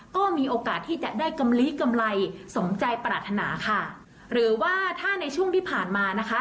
ก็มีโอกาสที่จะได้กำลีกำไรสมใจปรารถนาค่ะหรือว่าถ้าในช่วงที่ผ่านมานะคะ